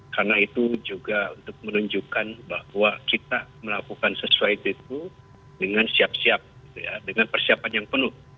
karena itu juga untuk menunjukkan bahwa kita melakukan sesuai itu dengan siap siap dengan persiapan yang penuh